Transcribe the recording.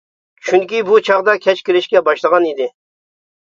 چۈنكى بۇ چاغدا كەچ كىرىشكە باشلىغان ئىدى.